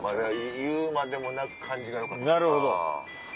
言うまでもなく感じがよかった。